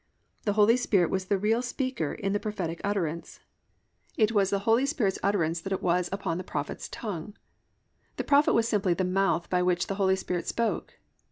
The Holy Spirit was the real speaker in the prophetic utterance. It was the Holy Spirit's utterance that was upon the prophet's tongue. The prophet was simply the mouth by which the Holy Spirit spoke.